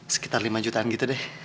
sekitar lima jutaan gitu deh